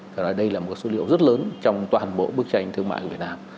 quả lấy đây là một số liệu rất lớn trong toàn bộ bức tranh thương mại việt nam